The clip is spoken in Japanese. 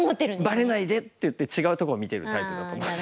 「ばれないで」っていって違うとこ見てるタイプだと思います。